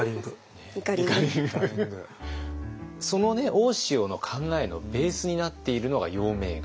大塩の考えのベースになっているのが陽明学。